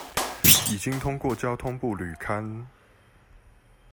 已經通過交通部履勘